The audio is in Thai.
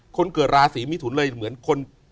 คนเกิดราศีมิถุนเลยเหมือนคน